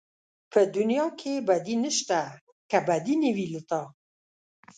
په دنيا کې بدي نشته که بدي نه وي له تا